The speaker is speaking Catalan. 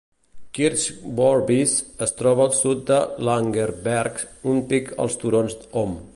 Kirchworbis es troba al sud de Langenberg, un pic als turons Ohm.